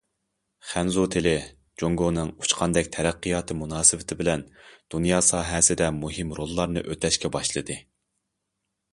خەنزۇ تىلى جۇڭگونىڭ ئۇچقاندەك تەرەققىياتى مۇناسىۋىتى بىلەن دۇنيا سەھنىسىدە مۇھىم روللارنى ئۆتەشكە باشلىدى.